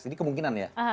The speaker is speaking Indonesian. ini kemungkinan ya